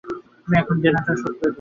তুমি এখন দেনাটা শোধ করে দাও।